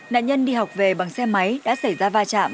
nạn nhân đi học về bằng xe máy đã xảy ra va chạm